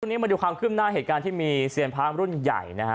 มาดูความขึ้นหน้าเหตุการณ์ที่มีเซียนพระรุ่นใหญ่นะฮะ